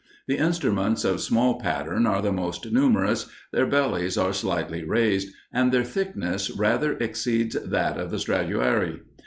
The instruments of small pattern are the most numerous, their bellies are slightly raised, and their thickness rather exceeds that of the Stradiuari.